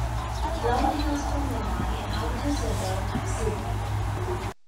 Brown hails from Menai, an outer suburb of Sydney.